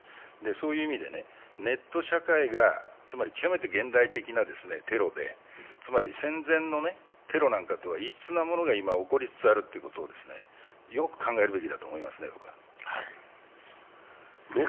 そういう意味で、ネット社会がつまり極めて現代的なテロで、つまり、戦前のテロとは異質なものが今、起こりつつあることをよく考えるべきだと思いますね。